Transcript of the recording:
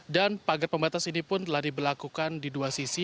dan pagar pembatas ini pun telah diberlakukan di dua sisi